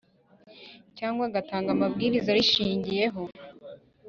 Cyangwa agatanga amabwiriza arishingiyeho